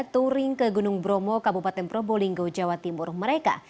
touring ke gunung bromo kabupaten probolinggo jawa timur mereka